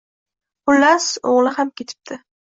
Xullas, o`g`li ham ketipti